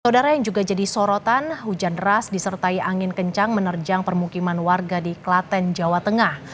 saudara yang juga jadi sorotan hujan deras disertai angin kencang menerjang permukiman warga di klaten jawa tengah